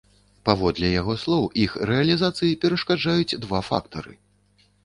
Паводле яго слоў, іх рэалізацыі перашкаджаюць два фактары.